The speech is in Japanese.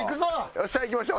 よっしゃいきましょう。